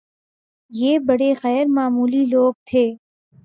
یہ بڑے غیرمعمولی لوگ تھے